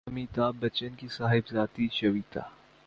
امیتابھبچن کی صاحبزادی شویتا